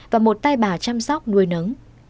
và một tay bà chăm sóc nuôi nấng